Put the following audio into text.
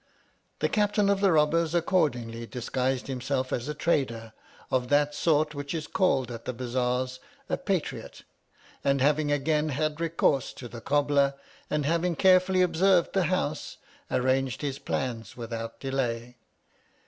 The Captain of the Bobbers accordingly diguised himself as a trader of that sort which is called at the bazaars a patriot, and, having again had recourse to the cobbler, and having carefully observed the House, arranged his plans without delay.